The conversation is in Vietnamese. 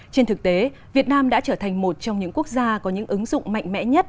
trên thực tế việt nam đã trở thành một trong những quốc gia có những ứng dụng mạnh mẽ nhất